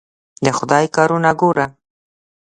د خدای کارونه ګوره.